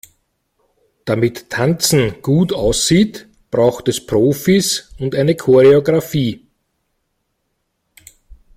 Damit Tanzen gut aussieht, braucht es Profis und eine Choreografie.